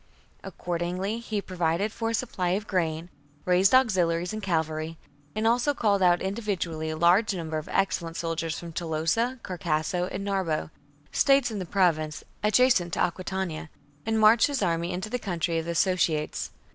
Accordingly he provided for a supply of grain, raised auxiliaries and cavalry, and also called out individually a large number of excellent soldiers from Tolosa, Carcaso, and Narbo — states [Toulouse, '' Carcas in the Province, adjacent to Aquitania — and jJ^"bon^,"A marched his army into the country of the Soti ates.